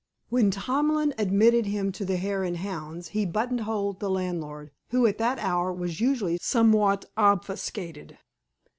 When Tomlin admitted him to the Hare and Hounds, he buttonholed the landlord, who, at that hour, was usually somewhat obfuscated.